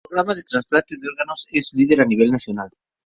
Su programa de trasplantes de órganos es líder a nivel nacional.